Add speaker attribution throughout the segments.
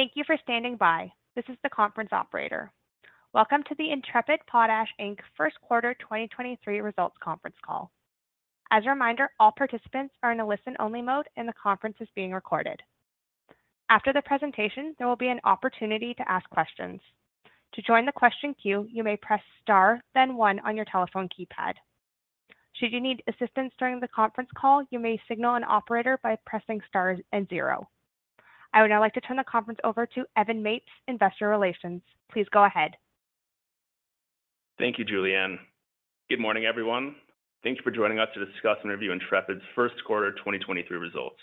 Speaker 1: Thank you for standing by. This is the conference operator. Welcome to the Intrepid Potash, Inc. first quarter 2023 results conference call. As a reminder, all participants are in a listen-only mode, and the conference is being recorded. After the presentation, there will be an opportunity to ask questions. To join the question queue, you may press star, then one on your telephone keypad. Should you need assistance during the conference call, you may signal an operator by pressing star and zero. I would now like to turn the conference over to Evan Mapes, Investor Relations. Please go ahead.
Speaker 2: Thank you, Julianne. Good morning, everyone. Thank you for joining us to discuss and review Intrepid's first quarter 2023 results.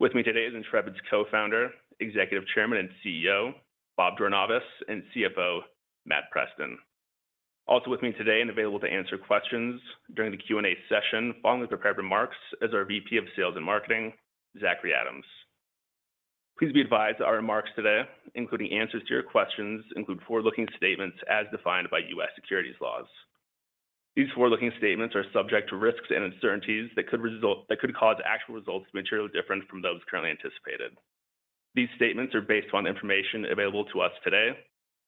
Speaker 2: With me today is Intrepid's Co-founder, Executive Chairman, and CEO, Bob Jornayvaz, and CFO, Matt Preston. Also with me today and available to answer questions during the Q&A session, following the prepared remarks, is our VP of Sales and Marketing, Zachary Adams. Please be advised that our remarks today, including answers to your questions, include forward-looking statements as defined by U.S. securities laws. These forward-looking statements are subject to risks and uncertainties that could cause actual results to be materially different from those currently anticipated. These statements are based on information available to us today,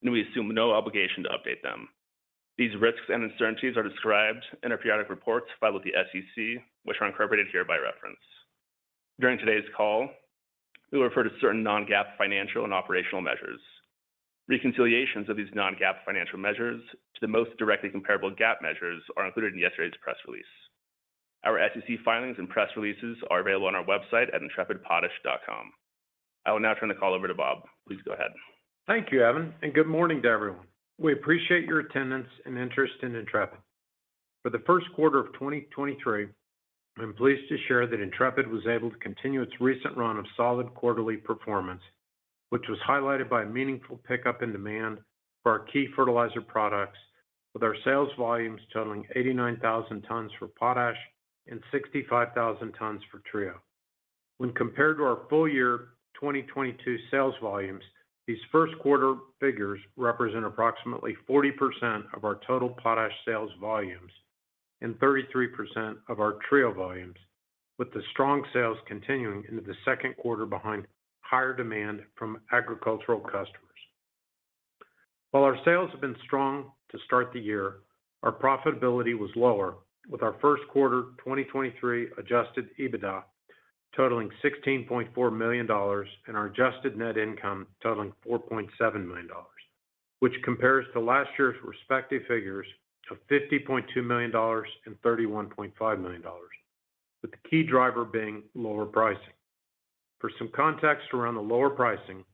Speaker 2: we assume no obligation to update them. These risks and uncertainties are described in our periodic reports filed with the SEC, which are incorporated here by reference. During today's call, we refer to certain non-GAAP financial and operational measures. Reconciliations of these non-GAAP financial measures to the most directly comparable GAAP measures are included in yesterday's press release. Our SEC filings and press releases are available on our website at intrepidpotash.com. I will now turn the call over to Bob. Please go ahead.
Speaker 3: Thank you, Evan, and good morning to everyone. We appreciate your attendance and interest in Intrepid. For the first quarter of 2023, I'm pleased to share that Intrepid was able to continue its recent run of solid quarterly performance, which was highlighted by a meaningful pickup in demand for our key fertilizer products, with our sales volumes totaling 89,000 tons for potash and 65,000 tons for Trio. When compared to our full year 2022 sales volumes, these first quarter figures represent approximately 40% of our total potash sales volumes and 33% of our Trio volumes, with the strong sales continuing into the second quarter behind higher demand from agricultural customers. While our sales have been strong to start the year, our profitability was lower, with our first quarter 2023 Adjusted EBITDA totaling $16.4 million and our Adjusted Net Income totaling $4.7 million, which compares to last year's respective figures of $50.2 million and $31.5 million, with the key driver being lower pricing. For some context around the lower pricing,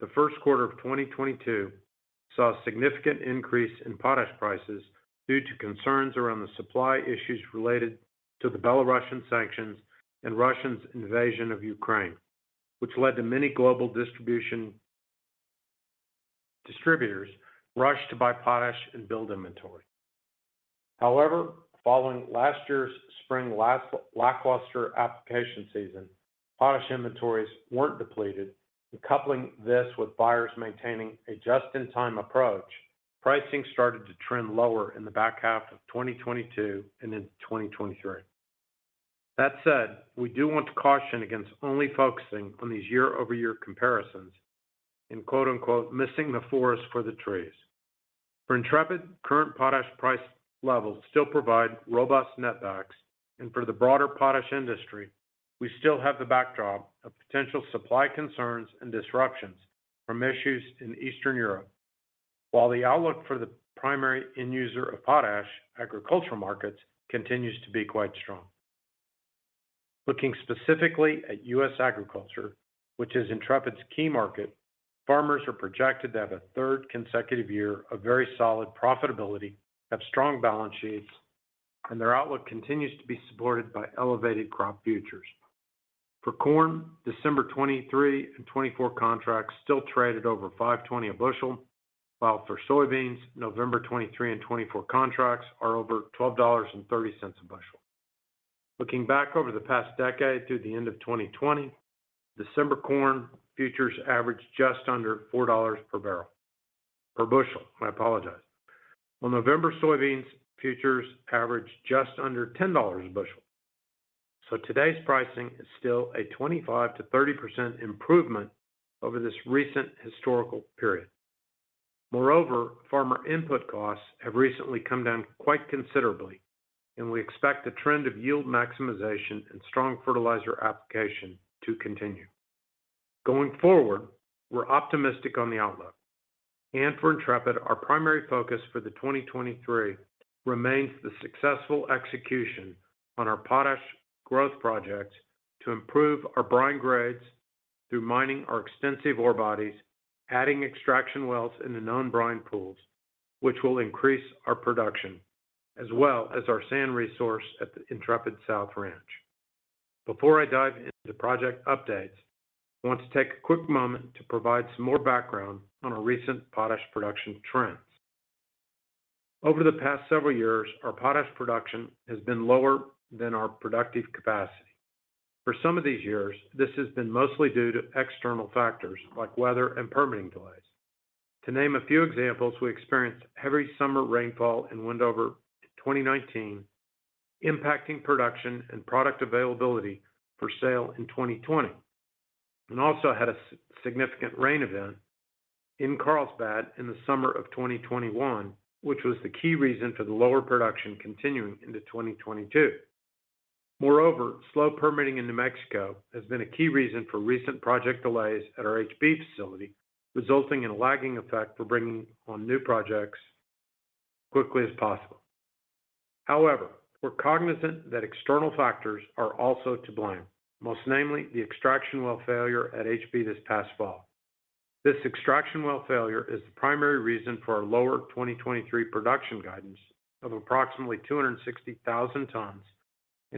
Speaker 3: the first quarter of 2022 saw a significant increase in potash prices due to concerns around the supply issues related to the Belarusian sanctions and Russia's invasion of Ukraine, which led to many global distributors rushed to buy potash and build inventory. However, following last year's spring last lackluster application season, potash inventories weren't depleted, and coupling this with buyers maintaining a just-in-time approach, pricing started to trend lower in the back half of 2022 and into 2023. That said, we do want to caution against only focusing on these year-over-year comparisons and quote, unquote, "missing the forest for the trees". For Intrepid, current potash price levels still provide robust netbacks, and for the broader potash industry, we still have the backdrop of potential supply concerns and disruptions from issues in Eastern Europe. While the outlook for the primary end user of potash, agricultural markets, continues to be quite strong. Looking specifically at U.S. agriculture, which is Intrepid's key market, farmers are projected to have a third consecutive year of very solid profitability, have strong balance sheets, and their outlook continues to be supported by elevated crop futures. For corn, December 2023 and 2024 contracts still trade at over $5.20 a bushel, while for soybeans, November 2023 and 2024 contracts are over $12.30 a bushel. Looking back over the past decade through the end of 2020, December corn futures averaged just under $4 per barrel. Per bushel, I apologize. While November soybeans futures averaged just under $10 a bushel. Today's pricing is still a 25%-30% improvement over this recent historical period. Moreover, farmer input costs have recently come down quite considerably, and we expect the trend of yield maximization and strong fertilizer application to continue. Going forward, we're optimistic on the outlook. For Intrepid, our primary focus for 2023 remains the successful execution on our potash growth projects to improve our brine grades through mining our extensive ore bodies, adding extraction wells in the known brine pools, which will increase our production, as well as our sand resource at the Intrepid South Ranch. Before I dive into project updates, I want to take a quick moment to provide some more background on our recent potash production trends. Over the past several years, our potash production has been lower than our productive capacity. For some of these years, this has been mostly due to external factors like weather and permitting delays. To name a few examples, we experienced heavy summer rainfall in Wendover in 2019, impacting production and product availability for sale in 2020, and also had a significant rain event in Carlsbad in the summer of 2021, which was the key reason for the lower production continuing into 2022. Moreover, slow permitting in New Mexico has been a key reason for recent project delays at our HB facility, resulting in a lagging effect for bringing on new projects quickly as possible. However, we're cognizant that external factors are also to blame, most namely the extraction well failure at HB this past fall. This extraction well failure is the primary reason for our lower 2023 production guidance of approximately 260,000 tons.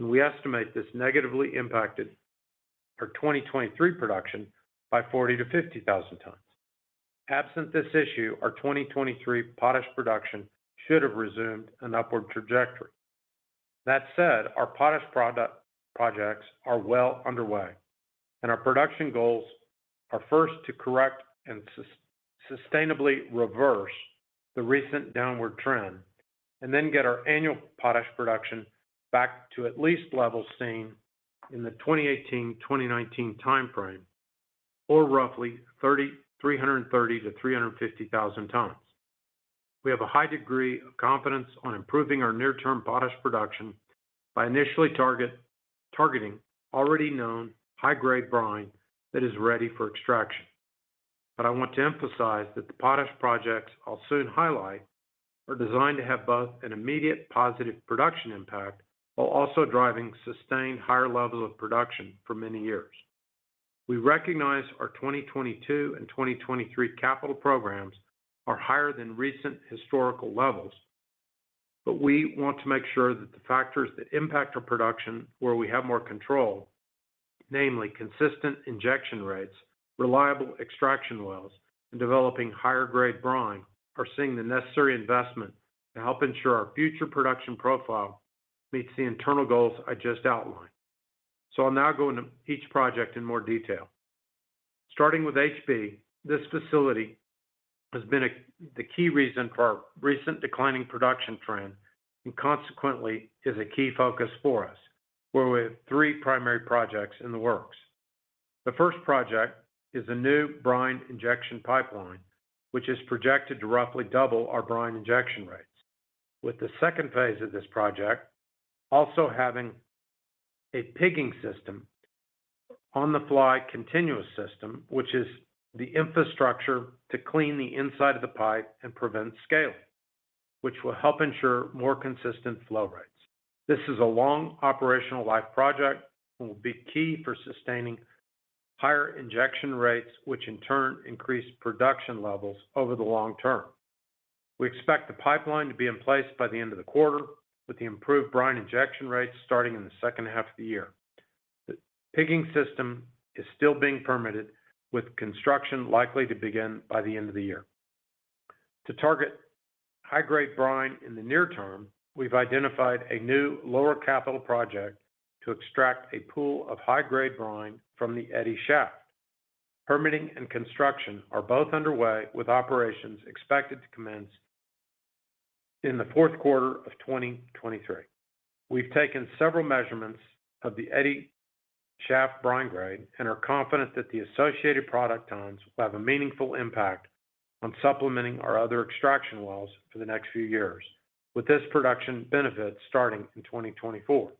Speaker 3: We estimate this negatively impacted our 2023 production by 40,000-50,000 tons. Absent this issue, our 2023 potash production should have resumed an upward trajectory. That said, our potash projects are well underway. Our production goals are first to correct and sustainably reverse the recent downward trend, and then get our annual potash production back to at least levels seen in the 2018, 2019 timeframe, or roughly 330,000-350,000 tons. We have a high degree of confidence on improving our near term potash production by initially targeting already known high-grade brine that is ready for extraction. I want to emphasize that the potash projects I'll soon highlight are designed to have both an immediate positive production impact while also driving sustained higher levels of production for many years. We recognize our 2022 and 2023 capital programs are higher than recent historical levels, but we want to make sure that the factors that impact our production where we have more control, namely consistent injection rates, reliable extraction wells, and developing higher grade brine, are seeing the necessary investment to help ensure our future production profile meets the internal goals I just outlined. I'll now go into each project in more detail. Starting with HB, this facility has been the key reason for our recent declining production trend, and consequently is a key focus for us, where we have three primary projects in the works. The first project is a new brine injection pipeline, which is projected to roughly double our brine injection rates, with the second phase of this project also having a pigging system on the fly continuous system, which is the infrastructure to clean the inside of the pipe and prevent scaling, which will help ensure more consistent flow rates. This is a long operational life project and will be key for sustaining higher injection rates, which in turn increase production levels over the long term. We expect the pipeline to be in place by the end of the quarter with the improved brine injection rates starting in the second half of the year. The pigging system is still being permitted with construction likely to begin by the end of the year. To target high-grade brine in the near term, we've identified a new lower capital project to extract a pool of high grade brine from the Eddy Shaft. Permitting and construction are both underway, with operations expected to commence in the fourth quarter of 2023. We've taken several measurements of the Eddy Shaft brine grade and are confident that the associated product tons will have a meaningful impact on supplementing our other extraction wells for the next few years. With this production benefit starting in 2024.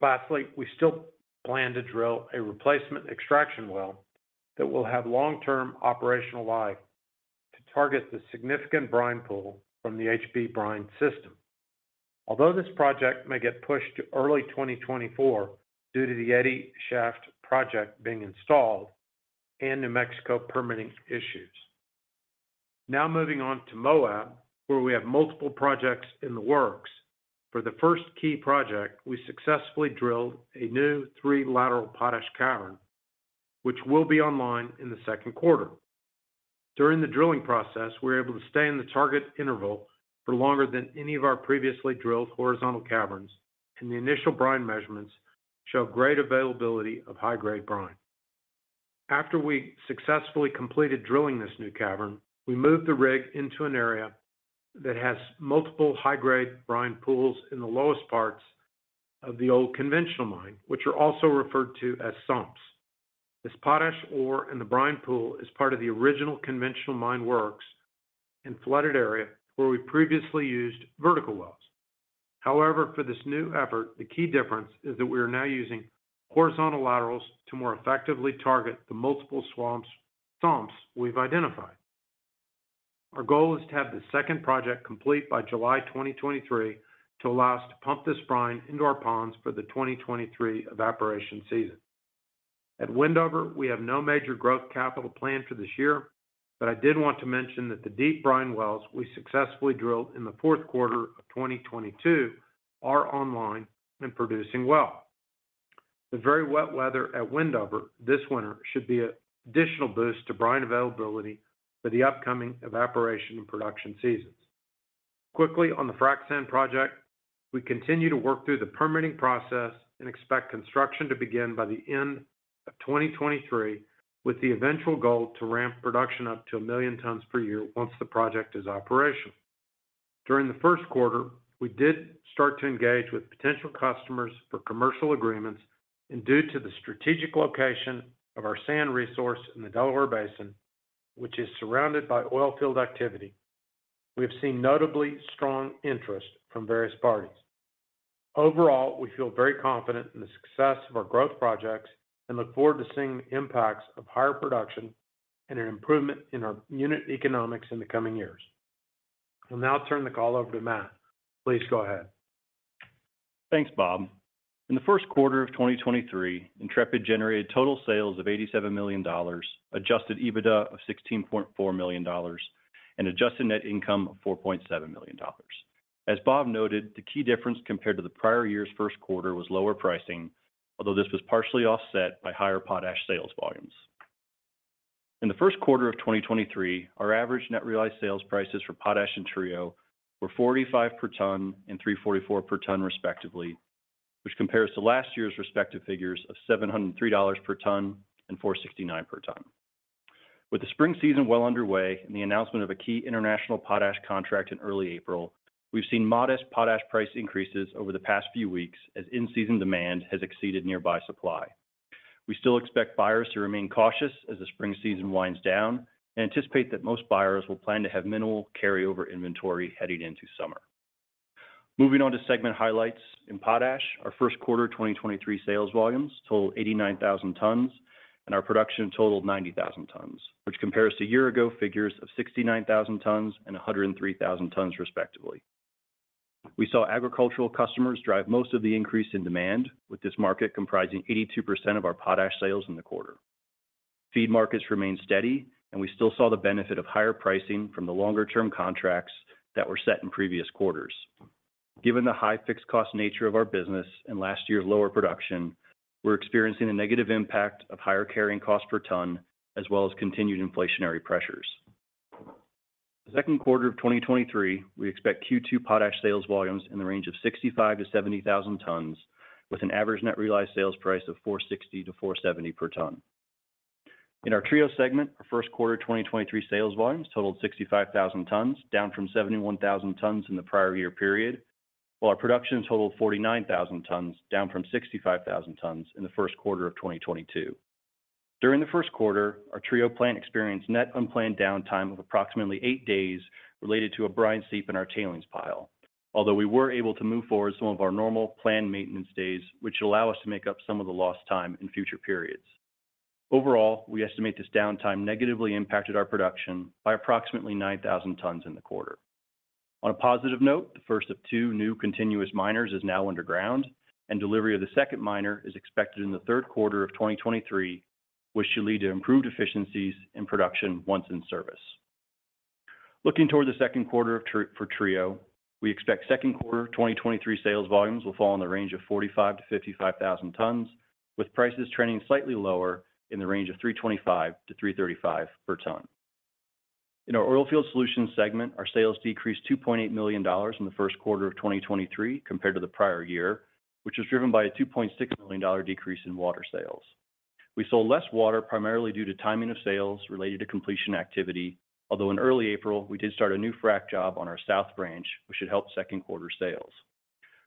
Speaker 3: Lastly, we still plan to drill a replacement extraction well that will have long-term operational life to target the significant brine pool from the HB brine system. Although this project may get pushed to early 2024 due to the Eddy Shaft project being installed and New Mexico permitting issues. Moving on to Moab, where we have multiple projects in the works. For the first key project, we successfully drilled a new three lateral potash cavern which will be online in the second quarter. During the drilling process, we were able to stay in the target interval for longer than any of our previously drilled horizontal caverns, and the initial brine measurements show great availability of high-grade brine. After we successfully completed drilling this new cavern, we moved the rig into an area that has multiple high-grade brine pools in the lowest parts of the old conventional mine, which are also referred to as sumps. This potash ore in the brine pool is part of the original conventional mine works and flooded area where we previously used vertical wells. For this new effort, the key difference is that we are now using horizontal laterals to more effectively target the multiple sumps we've identified. Our goal is to have the second project complete by July 2023 to allow us to pump this brine into our ponds for the 2023 evaporation season. At Wendover, we have no major growth capital planned for this year, but I did want to mention that the deep brine wells we successfully drilled in Q4 2022 are online and producing well. The very wet weather at Wendover this winter should be an additional boost to brine availability for the upcoming evaporation and production seasons. Quickly on the frac sand project, we continue to work through the permitting process and expect construction to begin by the end of 2023, with the eventual goal to ramp production up to 1 million tons per year once the project is operational. During the first quarter, we did start to engage with potential customers for commercial agreements, and due to the strategic location of our sand resource in the Delaware Basin, which is surrounded by oil field activity, we have seen notably strong interest from various parties. Overall, we feel very confident in the success of our growth projects and look forward to seeing the impacts of higher production and an improvement in our unit economics in the coming years. I'll now turn the call over to Matt. Please go ahead.
Speaker 4: Thanks, Bob. In the first quarter of 2023, Intrepid generated total sales of $87 million, Adjusted EBITDA of $16.4 million, and Adjusted Net Income of $4.7 million. As Bob noted, the key difference compared to the prior year's first quarter was lower pricing, although this was partially offset by higher potash sales volumes. In the first quarter of 2023, our average net realized sales prices for potash and Trio were $45 per ton and $344 per ton respectively, which compares to last year's respective figures of $703 per ton and $469 per ton. With the spring season well underway and the announcement of a key international potash contract in early April, we've seen modest potash price increases over the past few weeks as in-season demand has exceeded nearby supply. We still expect buyers to remain cautious as the spring season winds down and anticipate that most buyers will plan to have minimal carryover inventory heading into summer. Moving on to segment highlights, in potash, our first quarter 2023 sales volumes totaled 89,000 tons and our production totaled 90,000 tons, which compares to year-ago figures of 69,000 tons and 103,000 tons respectively. We saw agricultural customers drive most of the increase in demand, with this market comprising 82% of our potash sales in the quarter. We still saw the benefit of higher pricing from the longer-term contracts that were set in previous quarters. Given the high fixed cost nature of our business and last year's lower production, we're experiencing a negative impact of higher carrying cost per ton as well as continued inflationary pressures. The second quarter of 2023, we expect Q2 potash sales volumes in the range of 65,000-70,000 tons with an average net realized sales price of $460-$470 per ton. In our Trio segment, our first quarter 2023 sales volumes totaled 65,000 tons, down from 71,000 tons in the prior year period, while our production totaled 49,000 tons, down from 65,000 tons in the first quarter of 2022. During the first quarter, our Trio plant experienced net unplanned downtime of approximately eight days related to a brine seep in our tailings pile, although we were able to move forward some of our normal planned maintenance days, which allow us to make up some of the lost time in future periods. Overall, we estimate this downtime negatively impacted our production by approximately 9,000 tons in the quarter. On a positive note, the first of two new continuous miners is now underground, and delivery of the second miner is expected in the third quarter of 2023, which should lead to improved efficiencies in production once in service. Looking toward the second quarter for Trio, we expect second quarter 2023 sales volumes will fall in the range of 45,000-55,000 tons, with prices trending slightly lower in the range of $325-$335 per ton. In our Oilfield Solutions segment, our sales decreased $2.8 million in the first quarter of 2023 compared to the prior year, which was driven by a $2.6 million decrease in water sales. We sold less water primarily due to timing of sales related to completion activity, although in early April, we did start a new frac job on our South Ranch, which should help second quarter sales.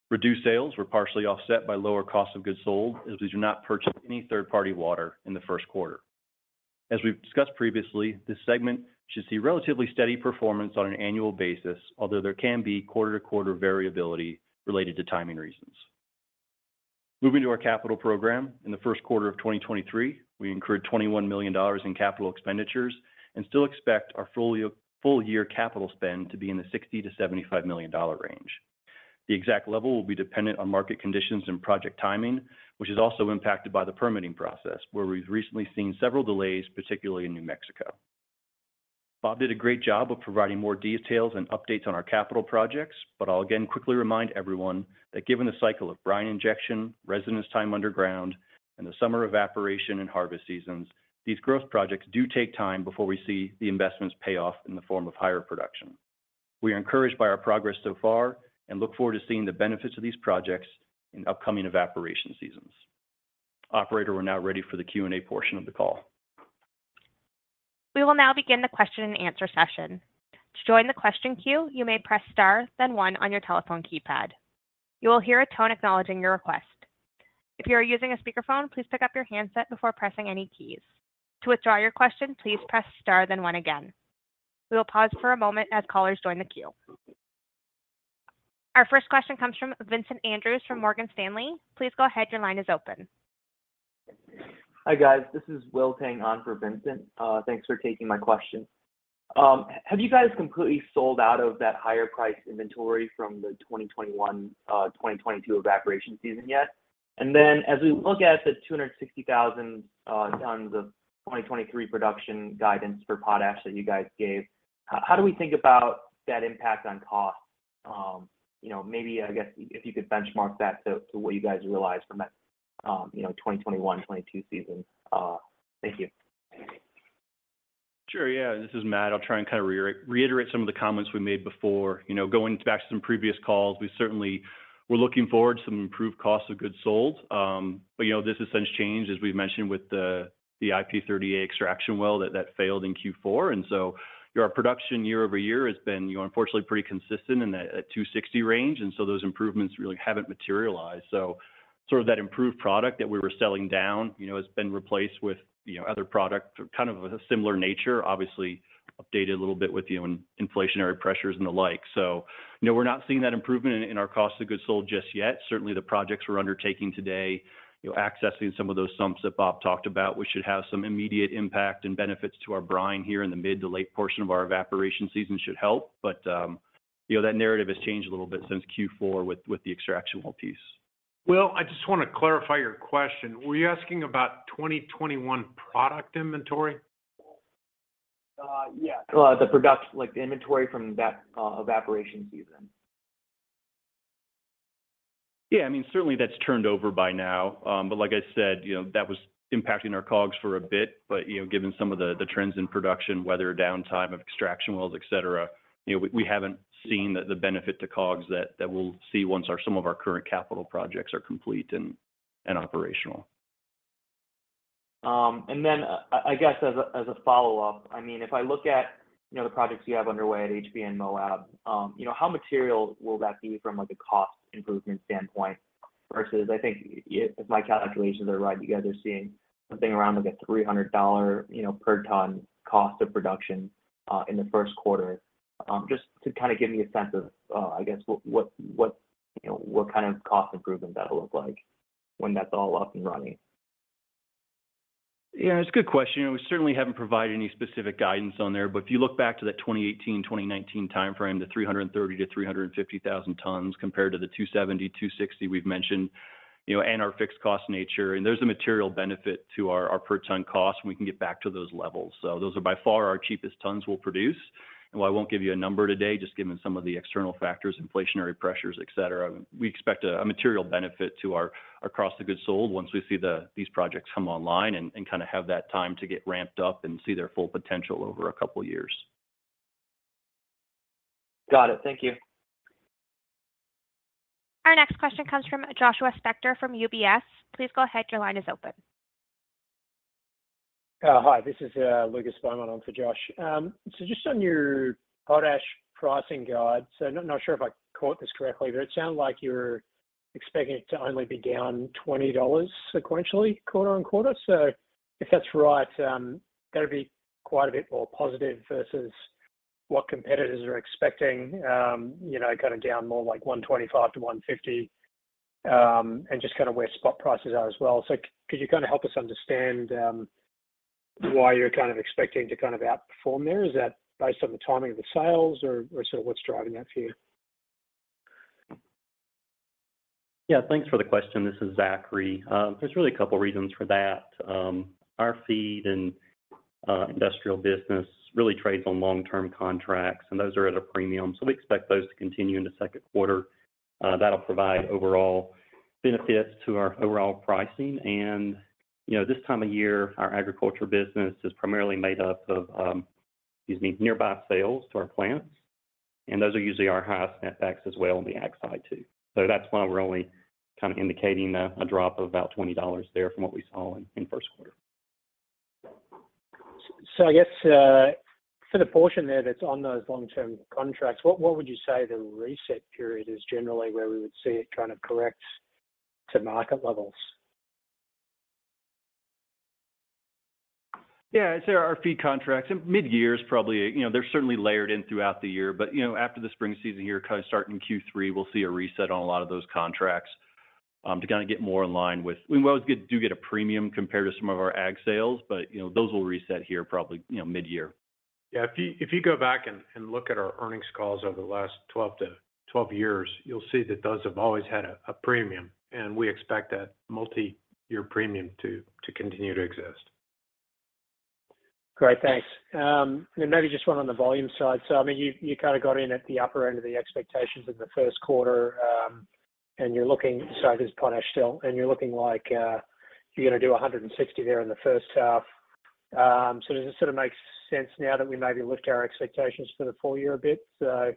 Speaker 4: Reduced sales were partially offset by lower cost of goods sold as we do not purchase any third-party water in the first quarter. We've discussed previously, this segment should see relatively steady performance on an annual basis, although there can be quarter-to-quarter variability related to timing reasons. Moving to our capital program, in the first quarter of 2023, we incurred $21 million in capital expenditures and still expect our full year capital spend to be in the $60 million-$75 million range. The exact level will be dependent on market conditions and project timing, which is also impacted by the permitting process, where we've recently seen several delays, particularly in New Mexico. Bob did a great job of providing more details and updates on our capital projects, I'll again quickly remind everyone that given the cycle of brine injection, residence time underground, and the summer evaporation and harvest seasons, these growth projects do take time before we see the investments pay off in the form of higher production. We are encouraged by our progress so far and look forward to seeing the benefits of these projects in upcoming evaporation seasons. Operator, we're now ready for the Q&A portion of the call.
Speaker 1: We will now begin the question and answer session. To join the question queue, you may press star, then one on your telephone keypad. You will hear a tone acknowledging your request. If you are using a speakerphone, please pick up your handset before pressing any keys. To withdraw your question, please press star then one again. We will pause for a moment as callers join the queue. Our first question comes from Vincent Andrews from Morgan Stanley. Please go ahead, your line is open.
Speaker 5: Hi, guys. This is Will Tang on for Vincent. Thanks for taking my question. Have you guys completely sold out of that higher priced inventory from the 2021-2022 evaporation season yet? As we look at the 260,000 tons of 2023 production guidance for potash that you guys gave, how do we think about that impact on costs? You know, maybe, I guess if you could benchmark that to what you guys realized from that, you know, 2021-2022 season. Thank you.
Speaker 4: Sure. Yeah, this is Matt. I'll try and kind of re-reiterate some of the comments we made before. You know, going back to some previous calls, we certainly were looking forward to some improved cost of goods sold. You know, this has since changed, as we've mentioned, with the IP-38 extraction well that failed in Q4. Our production year-over-year has been, you know, unfortunately pretty consistent in that, at 260 range, and so those improvements really haven't materialized. Sort of that improved product that we were selling down, you know, has been replaced with, you know, other product, kind of a similar nature, obviously updated a little bit with the inflationary pressures and the like. You know, we're not seeing that improvement in our cost of goods sold just yet. Certainly, the projects we're undertaking today, you know, accessing some of those sumps that Bob talked about, we should have some immediate impact and benefits to our brine here in the mid to late portion of our evaporation season should help. You know, that narrative has changed a little bit since Q4 with the extraction well piece.
Speaker 3: Will, I just wanna clarify your question. Were you asking about 2021 product inventory?
Speaker 5: Yeah. like the inventory from that, evaporation season.
Speaker 4: Yeah. I mean, certainly that's turned over by now. Like I said, you know, that was impacting our COGS for a bit. You know, given some of the trends in production, weather downtime of extraction wells, et cetera, you know, we haven't seen the benefit to COGS that we'll see once our, some of our current capital projects are complete and operational.
Speaker 5: Then I guess as a, as a follow-up, I mean, if I look at, you know, the projects you have underway at HB and Moab, you know, how material will that be from like a cost improvement standpoint versus I think if my calculations are right, you guys are seeing something around like a $300, you know, per ton cost of production in the first quarter. Just to kind of give me a sense of, I guess what, you know, what kind of cost improvement that'll look like when that's all up and running?
Speaker 4: Yeah, it's a good question. We certainly haven't provided any specific guidance on there. If you look back to that 2018, 2019 timeframe, the 330,000-350,000 tons compared to the 270, 260 we've mentioned, you know, our fixed cost nature. There's a material benefit to our per ton cost, and we can get back to those levels. Those are by far our cheapest tons we'll produce. While I won't give you a number today, just given some of the external factors, inflationary pressures, et cetera, we expect a material benefit to our COGS once we see these projects come online and kinda have that time to get ramped up and see their full potential over a couple years.
Speaker 5: Got it. Thank you.
Speaker 1: Our next question comes from Joshua Spector from UBS. Please go ahead, your line is open.
Speaker 6: Hi, this is Lucas Beaumont on for Josh. Just on your potash pricing guide, not sure if I caught this correctly, but it sounded like you're expecting it to only be down $20 sequentially quarter-on-quarter. If that's right, that'd be quite a bit more positive versus what competitors are expecting, you know, kinda down more like $125-$150, and just kinda where spot prices are as well. Could you kinda help us understand why you're kind of expecting to kind of outperform there? Is that based on the timing of the sales or sort of what's driving that for you?
Speaker 7: Yeah, thanks for the question. This is Zachary. There's really a couple of reasons for that. Our feed and industrial business really trades on long-term contracts, and those are at a premium, so we expect those to continue in the second quarter. That'll provide overall benefits to our overall pricing. You know, this time of year, our agriculture business is primarily made up of, excuse me, nearby sales to our plants, and those are usually our highest netbacks as well on the ag side too. That's why we're only kind of indicating a drop of about $20 there from what we saw in first quarter.
Speaker 6: I guess, for the portion there that's on those long-term contracts, what would you say the reset period is generally where we would see it kind of correct to market levels?
Speaker 4: Yeah. I'd say our feed contracts in mid-year is probably, you know, they're certainly layered in throughout the year, but, you know, after the spring season here kinda starting in Q3, we'll see a reset on a lot of those contracts, to kinda get more in line with... We always do get a premium compared to some of our ag sales, but, you know, those will reset here probably, you know, mid-year.
Speaker 3: Yeah. If you go back and look at our earnings calls over the last 12 to 12 years, you'll see that those have always had a premium, and we expect that multi-year premium to continue to exist.
Speaker 6: Great. Thanks. Maybe just one on the volume side. I mean, you kinda got in at the upper end of the expectations in the first quarter, and you're looking, sorry, this is potash still, and you're looking like, you're gonna do 160 there in the first half. Does it sorta make sense now that we maybe lift our expectations for the full year a bit, so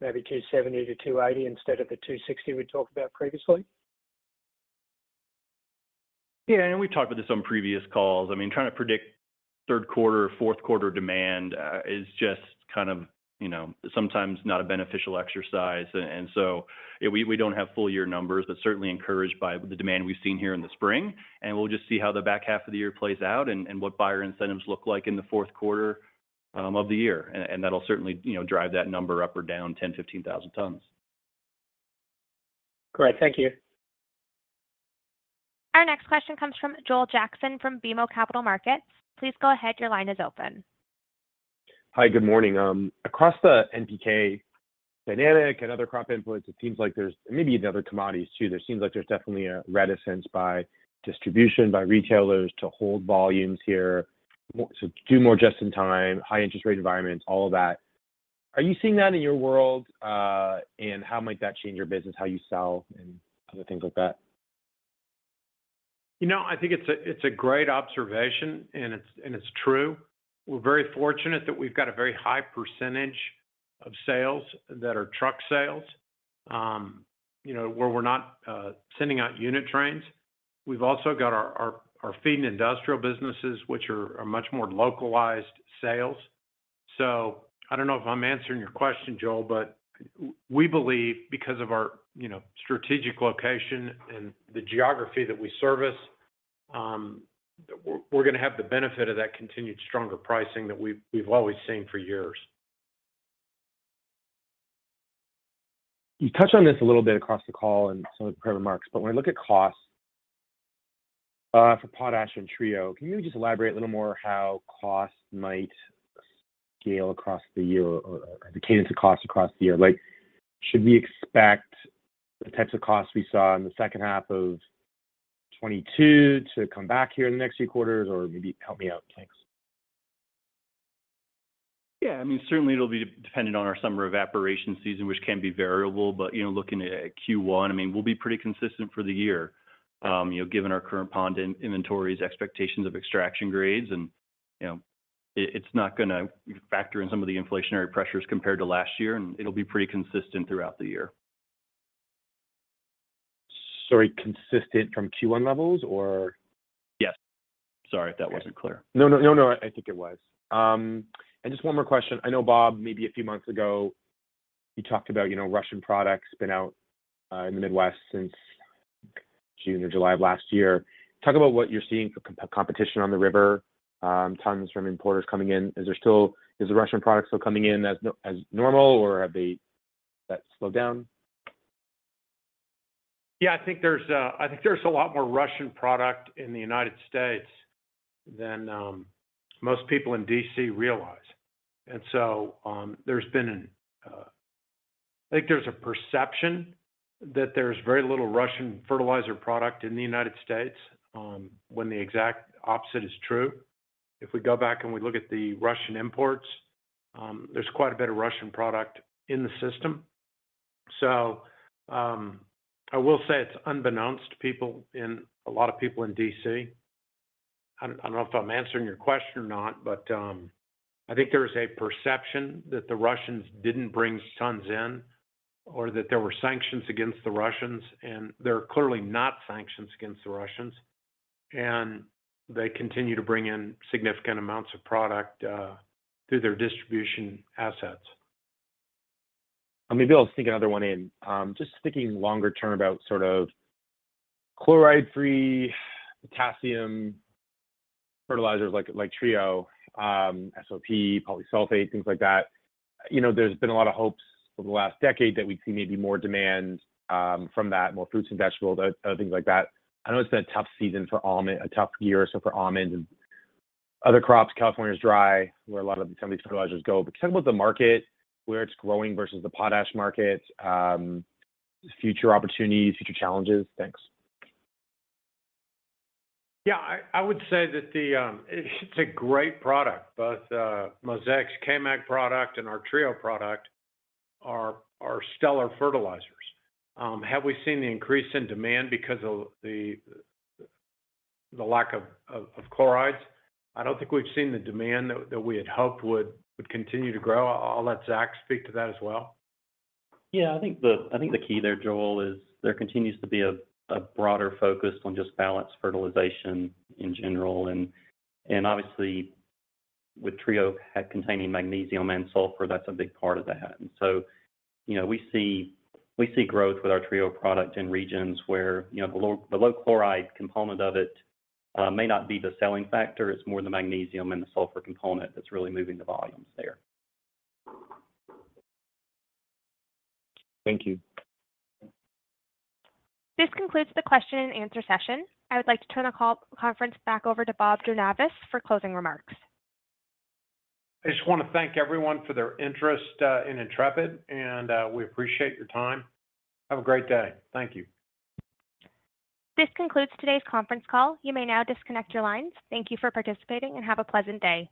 Speaker 6: maybe 270-280 instead of the 260 we talked about previously?
Speaker 4: Yeah. We've talked about this on previous calls. I mean, trying to predict third quarter or fourth quarter demand is just kind of, you know, sometimes not a beneficial exercise. Yeah, we don't have full year numbers, but certainly encouraged by the demand we've seen here in the spring. We'll just see how the back half of the year plays out and what buyer incentives look like in the fourth quarter of the year. That'll certainly, you know, drive that number up or down 10,000-15,000 tons.
Speaker 6: Great. Thank you.
Speaker 1: Our next question comes from Joel Jackson from BMO Capital Markets. Please go ahead, your line is open.
Speaker 8: Hi, good morning. Across the NPK dynamic and other crop inputs, it seems like there's, maybe in other commodities too, there seems like there's definitely a reticence by distribution, by retailers to hold volumes here. Do more just in time, high interest rate environments, all of that. Are you seeing that in your world, and how might that change your business, how you sell and other things like that?
Speaker 4: You know, I think it's a great observation, and it's true. We're very fortunate that we've got a very high % of sales that are truck sales. You know, where we're not sending out unit trains. We've also got our feed and industrial businesses, which are much more localized sales. I don't know if I'm answering your question, Joel, but we believe because of our, you know, strategic location and the geography that we service, we're gonna have the benefit of that continued stronger pricing that we've always seen for years.
Speaker 8: You touched on this a little bit across the call in some of the prepared remarks. When I look at costs, for potash and Intrepid Trio, can you just elaborate a little more how costs might scale across the year or the cadence of costs across the year? Like, should we expect the types of costs we saw in the second half of 2022 to come back here in the next few quarters or maybe help me out? Thanks.
Speaker 4: Yeah. I mean, certainly it'll be dependent on our summer evaporation season, which can be variable. You know, looking at Q1, I mean, we'll be pretty consistent for the year, you know, given our current pond inventories expectations of extraction grades and, you know, it's not gonna factor in some of the inflationary pressures compared to last year, and it'll be pretty consistent throughout the year.
Speaker 8: Sorry, consistent from Q1 levels or...?
Speaker 4: Yes. Sorry if that wasn't clear.
Speaker 8: No, no, no, I think it was. Just one more question. I know, Bob, maybe a few months ago, you talked about, you know, Russian products been out in the Midwest since June or July of last year. Talk about what you're seeing for competition on the river, tons from importers coming in. Is the Russian product still coming in as normal or have they that slowed down?
Speaker 3: Yeah, I think there's, I think there's a lot more Russian product in the United States than most people in D.C. realize. There's been I think there's a perception that there's very little Russian fertilizer product in the United States, when the exact opposite is true. If we go back and we look at the Russian imports, there's quite a bit of Russian product in the system. I will say it's unbeknownst to a lot of people in D.C. I don't know if I'm answering your question or not. I think there is a perception that the Russians didn't bring tons in or that there were sanctions against the Russians. There are clearly not sanctions against the Russians. They continue to bring in significant amounts of product through their distribution assets.
Speaker 8: Let me be able to sneak another one in. Just thinking longer term about sort of chloride-free potassium fertilizers like Intrepid Trio, SOP, Polysulphate, things like that. You know, there's been a lot of hopes over the last decade that we'd see maybe more demand from that, more fruits and vegetables, other things like that. I know it's been a tough season for almonds, a tough year or so for almonds and other crops. California's dry, where a lot of some of these fertilizers go. Can you talk about the market, where it's growing versus the potash market, future opportunities, future challenges? Thanks.
Speaker 3: I would say it's a great product. Both Mosaic's K-Mag product and our Trio product are stellar fertilizers. Have we seen the increase in demand because of the lack of chlorides? I don't think we've seen the demand that we had hoped would continue to grow. I'll let Zach speak to that as well.
Speaker 7: Yeah. I think the key there, Joel, is there continues to be a broader focus on just balanced fertilization in general, and obviously with Trio containing magnesium and sulfur, that's a big part of that. You know, we see growth with our Trio product in regions where, you know, the low chloride component of it may not be the selling factor. It's more the magnesium and the sulfur component that's really moving the volumes there.
Speaker 8: Thank you.
Speaker 1: This concludes the question and answer session. I would like to turn the call conference back over to Bob Jornayvaz for closing remarks.
Speaker 3: I just wanna thank everyone for their interest, in Intrepid, and, we appreciate your time. Have a great day. Thank you.
Speaker 1: This concludes today's conference call. You may now disconnect your lines. Thank you for participating, and have a pleasant day.